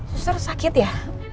suster sakit ya